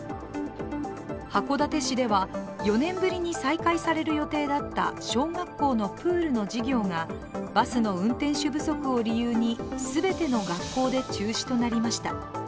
函館市では４年ぶりに再開される予定だった小学校のプールの授業がバスの運転手不足を理由に全ての学校で中止となりました。